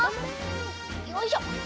よいしょ！